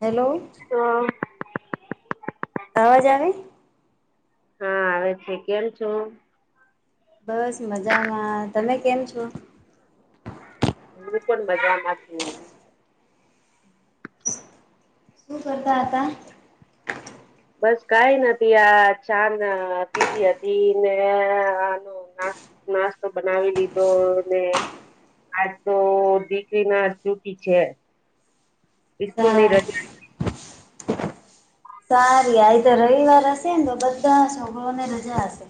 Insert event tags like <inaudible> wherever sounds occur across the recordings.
Hello. હા. અવાજ આવે. હા આવે છે કેમ છો? બસ મજામાં તમે કેમ છો? હું બી પણ મજા માં છું. <inaudible> શું કરતા હતા? બસ કઈ નથી આ ચા ને પીધી હતી ને આનો ના નાસ્તો બનાવી લીધો ને. આજ તો દીકરી ના છુંટી છે ઈસ્કુલ ની સા રજા સારી આજે તો રવિવાર હશે ને તો બધા સમો ને રજા હશે.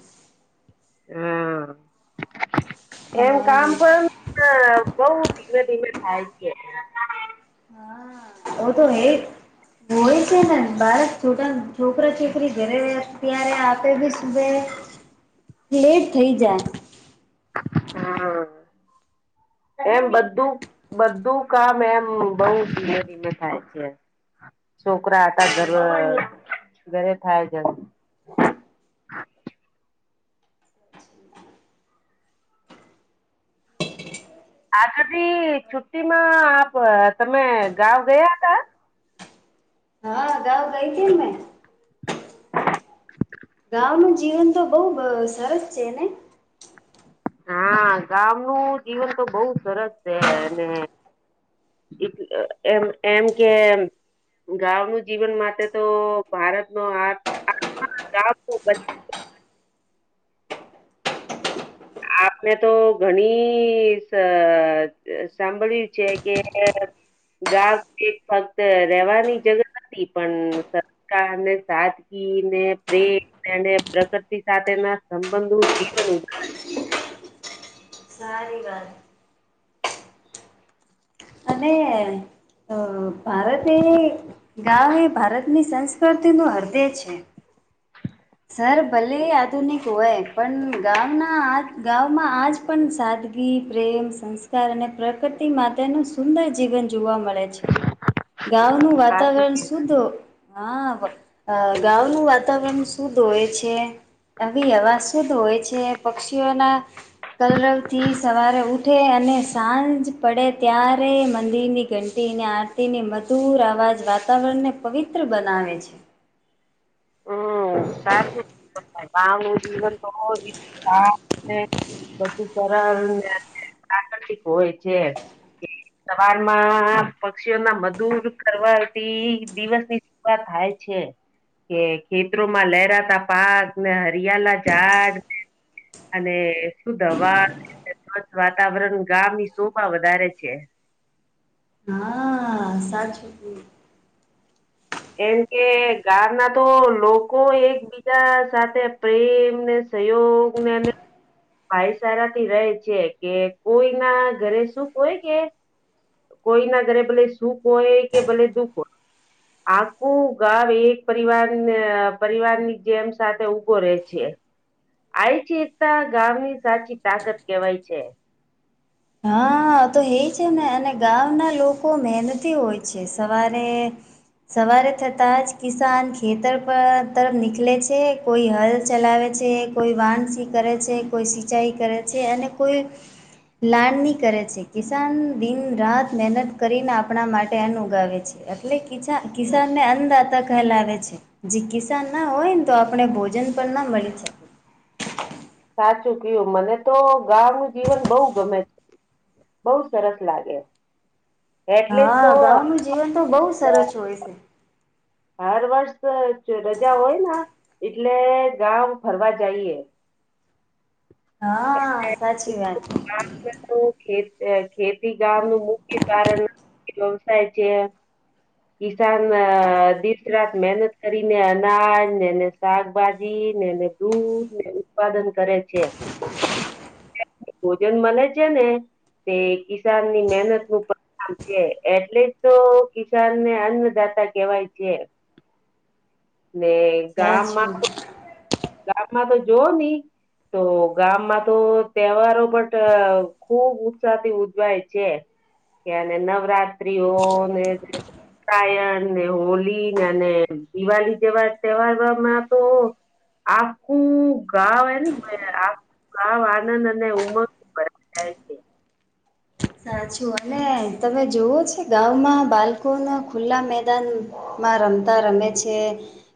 એ એમ કામ હા પણ ક બહુ ધીમે ધીમે થાય છે. હા આવજો ને. હોય છે ને બાળક છોટા છોકરા છોકરી ઘરે ત્યારે આપે બી હવે લેટ થઈ જાય. હા <inaudible> એમ બધું બધું કામ એમ બઉ ધીમે ધીમે થાય છે. છોકરા હતા ગર્વ ઘરે થાય જે. આજધી છુટ્ટી માં આપ તમે ગાંવ ગયા હતા હા ગાંવ ગઈ હતી મેં. <inaudible> ગાંવ નુ જીવન તો બહુ બ સરસ છે ને હા ગાવ નું જીવન તો બહુ સરસ છે અને એમ એમ કે ગાવ નું જીવન માટે તો ભારત નો આ <unintelligible> આપને તો ઘણી સ સાંભળ્યું છીએ કે ગાવ <unintelligible> ફક્ત રેવાની જરૂર નથી પણ સા <unintelligible> ને સાદગી ને પ્રેમ અને પ્રકતિ સાથે ના સંબંધુ જીવન <unintelligible> સારી વાત. અને અ ભારત એ ગાવ ને ભારતની સંસ્કૃતિનું હૃદય છે. શહેર ભલે આધુનિક હોય પણ ગામના આત ગામમાં આજ પણ સાદગી પ્રેમ સંસ્કાર અને પ્રકૃતિ માટેનું સુંદર જીવન જોવા મળે છે. ગાવનું સાચું વાતાવરણ કે શુદ્ધ હા વ અ ગાવનું વાતાવરણ શું શુદ્ધ હોય છે આવી હવા શુદ્ હોય છે પક્ષીઓના કલરવથી સવારે ઉઠે અને સાંજ પડે ત્યારે મંદિરની ઘં ટીની આરતીની મધુર અવાજ વાતાવરણને પવિત્ર બનાવે છે. હમ્મ સાચું કીધું છે <unintelligible> બધું સરળ ને પ્રાકૃતિક હોય છે. સવારમાં પક્ષીઓ ના મધુર કરવાથી દિવસની <unintelligible> થાય છે. કે ખેતરોમાં લહેરાતા પાક ને હરિયાલા ઝાડ અને શું દવા <unintelligible> વાતાવરણ ગામ શુભા વધારે છે. હા સાચું. કેમ કે ગામ ના તો લોકો એક બીજા સાથે પ્રેમ ને સહયોગ ને અને ભાઈ ચારા થી રહે છે કે કોઈ ના ઘરે સુખ કોય કે કોઈના ઘરે ભલે સુક હોય કે ભલે દુઃખ હોય. આખું ગાવ એક પરિવારને પરિવાર ની જેમ સાથે ઊભો રહેે છે. આઇ ચેતા ગામની સાચી તાકત કેવાય છે. હા તો હે છે ને અને ગાવના લોકો મેનતી હોય છે સવારે સવારે થતાં જ કિસાન ખેતર પર તરફ નીકલે છે. કોઈ હલ ચલાવે છે કોઈ વાનસી કરે છે કોઈ સિંચાાઈ કરે છે અને કોઈ લાણની કરે છે કિસાન દિન રાત મેનત કરીને આપણા માટે અન્ન ઉગાવે છે. એટલે કિચા કિસાનને અન્નદાતા કહેલાવે છે. જે કિસાન ના હોય ને તો આપણે ભોજન પન ના મળે છે. સાચું કીયું મને તો ગાવ નું જીવન બહુ ગમે છે. બઉ સરસ લાગે. એટલે હા જ તો ગાવા નું જીવન તો બહુ સરસ હોય છે. હર વર્ષ તો રજા હોય ના. એટલે ગામ ફરવા જાઈએ. હઆ. સાચી વાત. હું ખેત અ ખેતી ગામ નું મુખ્ય કારણ <unintelligible> થાય છે કિસાન અ દીસ રાત મહેનત કરીને અનાજ ને એને શાકભાજી ને એને દૂધ ને ઉત્પાદન કરે છે. <inaudible> ભોજન મલે છે ને તે કિસાન ની મહેનત નું પા આમ છે એટલે જ તો કિસાન ને અન્નદાતા કેવાય છે. <inaudible> ને હાચુ ગામમાં ગામમાં તો જો ની તો ગામમાં તો તહેવારો બટ ખુબ ઉત્સાહ થી ઉજવાય છે. ક્યારે નવરાત્રીઓ ને ટાયર ને હોલી અને દિવાળી જેવા તહેવારોમાં તો આખું ગાવ એને આખું ગાવ આનંદ અને ઉમંગ ભરાઈ જાય છે. સાચું અને તમે જુઓ છે ગામમાં બાલકોના ખુલ્લા મેદાન માં રમતા રમે છે.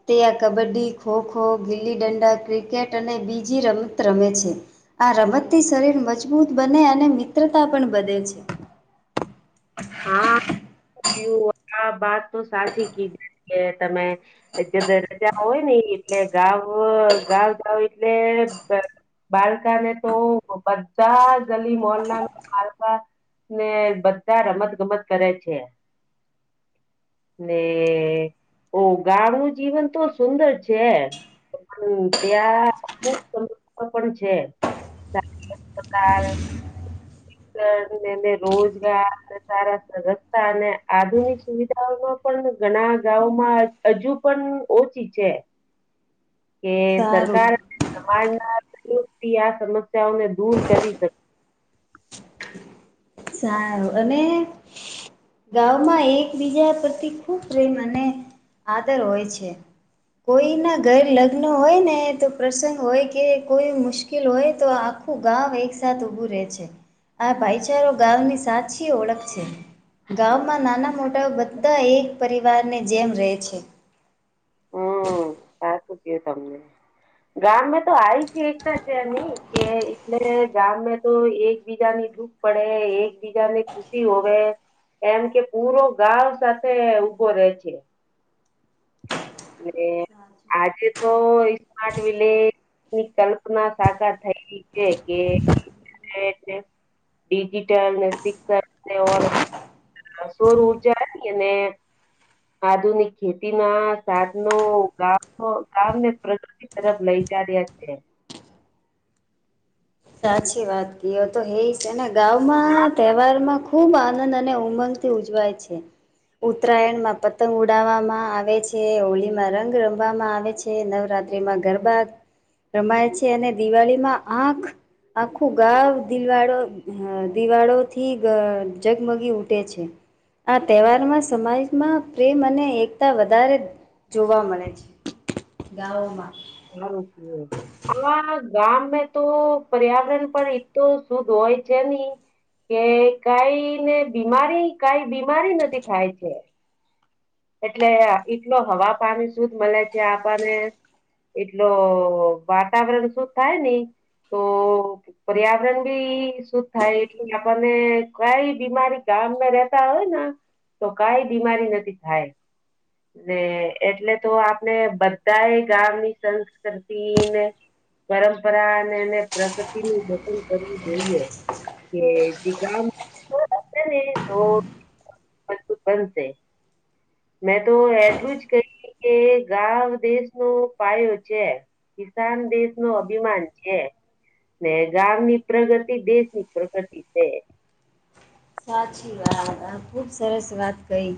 તે આ કબડ્ડી ખોખો ગીલી ડંડા ક્રિકેટ અને બીજી રમત રમે છે. આ રમતથી શરીર મજબૂત બને અને મિત્રતા પણ બધે છે. હા આ વાત તો સાચી કીધી છે તમે અત્યારે દરજા હોય ને એટલે <unintelligible> જાય એટલે બાળકાને તો બધા ગલી મોલ ના બાળક ને બધા રમત ગમત કરે છે. ને ઓ ગામનું જીવન તો સુંદર છે ત્યાં અમુક સમ પણ છે હા. <unintelligible> રોજગાર સારા રસ્તા અને આધુનિક સુવિધાઓમાં પણ ઘણા ગાવો માં હજુ પણ ઓછી છે. કે સારું સરકાર સમાજ ના ડૂબતી આ સમસ્યાઓને દૂર કરી શકે સારું અને ગામમાં એકબીજા પરથી ખૂબ પ્રેમ અને આદર હોય છે કોઈના ઘર લગ્ન હોય ને તો પ્રસંગ હોય કે કોઈ મુશ્કે મુશ્કેલ હોય તો આખું ગામ એકસાથ ઉભું રહે છે આ ભાઈ અત્યારો ગામની સાચી ઓળખ છે. ગામમાં નાના મોટા બધા એક પરિવારની જેમ રહે છે. હમ્મ સાચું કયુ તમે ગામં તો આવી છે એકતા છેની કે એટલે ગામ તો એકબીજાની ધું પડે એકબીજા ને ખુશી હોવે એમ કે પૂરો ગાવ સાથે ઊભો રહેે છે. <unintelligible> આજે તો સ્માર્ટ વિલેજ ની કલ્પના સાકાર થઈ જે કે તે ડિજિટલ સિક્સર એવો <unintelligible> સોર ઉર્જા હતી અને આધુનિક ખેતી ના સાત નુ ગામ ગામને પ્રગૃતિ તરફ લઈ જા રહ્યા છે સાચી વાત કીએ તો એ છે ને ગામમાં તહેવારમાં ખુબ આનંદ અને ઉમંગ થી ઉજવાય છે ઉત્તરાયણ માં પતંગ ઉડાવવામાં આવે છે હોળીમાં રંગ રમવામાં આવે છે ને નવરાત્રીમાં ગરબા રમાય છે અને દિવાળીમાં આંખ આખું ગા દિલવાળો અ દિવાળો થી જગમગી ઉઠે છે આ તહેવારમાં સમાજમાં પ્રેમ અને એકતા વધારે જોવા મળે છે ગાવોમાં <unintelligible> ગામમે તો પર્યાવરણ પણ એ તો શુદ્ધ હોય છે નહી કે કઈ ને બીમારી કઈ બીમારી નથી થાય છે. એટલે એટલો હવા પાણી સુધ મળે છે આપણને એટલો વાતાવરણ શું થાય ને એ તો પર્યાવરણ બી સુદ થાય, એટલે આપણને કઈ બીમારી ગામને રેતા હોય ને તો કઈ બીમારી નથી થાય. ને એટલે તો આપણે બધા એ ગામની સંસ્કૃતિને પરંપરા અને એને પ્રકૃતિનું જતન કરવું જોઈએ. કે જે ગામ <unintelligible> બનશે મેં તો એટલું જ કહી કે ગાવ દેશ નો પાયો છે. કિસાન દેશ નો અભિમાન છે. ને ગામની પ્રગતિ, દેશ ની પ્રગતિ છે. સાચી વાત, આ ખૂબ સરસ વાત કહી.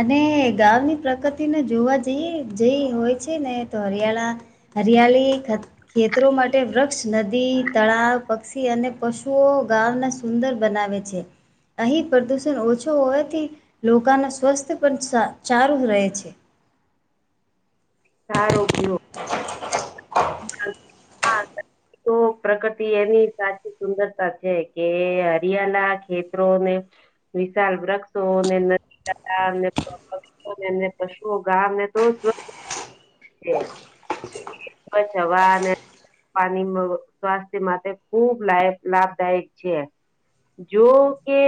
અને ગાવની પ્રકૃતિને જોવા જઈએ જેઈ હોય છે, ને તો હરિયાળા હરિયાલી ખ ખેતરો માટે વૃક્ષ, નદી, તળાવ, પક્ષી અને પશુઓ ગાવાના સુંદર બનાવેે છે. અહીં પ્રદુષણ ઓછો હોવાથી, લોકાના સ્વાસ્થ્ય પણ સા ચારું રહે છે. સારુ કયું. હ હા <unintelligible> <inaudible> તો પ્રકૃતિ એની સાચી સુંદરતા છે, કે હરિયાલા ખેતરોને વિશાલ વૃક્ષો ને નદી <unintelligible> પશુઓ ગામને તો <unintelligible> બજ હવાને પાણી મ સ્વાસ્થ્ય માટે ખુબ લાયક લાભદાયક છે. જો કે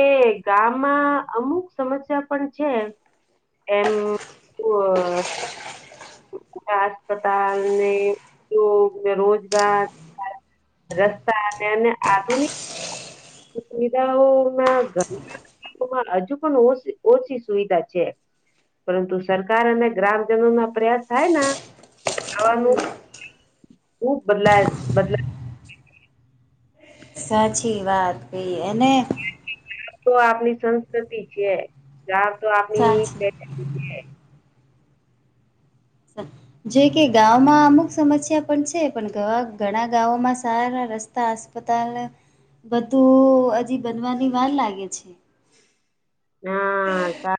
ગામમાં અમુક સમસ્યા પણ છે. એમ ઓ અ આસ્પતાલ ને એ ઉધ્યોગ, રોજગાર, રસ્તા તેને આધુનિક સુવિધાઓ માં ઘણી હજુ પણ ઓસી ઓછી સુવિધા છે. પરંતુ સરકાર અને ગ્રામજનો ના પ્રયાસ થાયના, ખાવાનું ખુબ બદલાય બદલા સાચી વાત કઈ, એને તો આપની સંસ્કૃતિ છે, જા તો આપની પ સાચી <unintelligible> જો કે ગામમાં અમુક સમસ્યા પણ છે, પણ ધઅ ઘણા ગામોમાં સારા રસ્ત તા અસ્પતાલને બધું હજી બનવાની વાર લાગે છે. હા સા